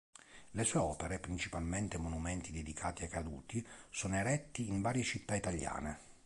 Le sue opere, principalmente monumenti dedicati ai caduti sono eretti in varie città italiane.